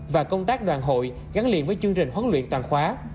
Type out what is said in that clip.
và công tác đoàn hội gắn liền với chương trình huấn luyện toàn khóa